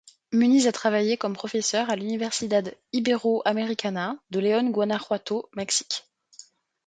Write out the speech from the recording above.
Muniz a travaillé comme professeur à l'Universidad Iberoamericana de León, Guanajuato, Mexique.